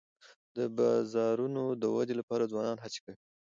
د بازارونو د ودي لپاره ځوانان هڅې کوي.